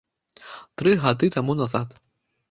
Тры гады таму назад.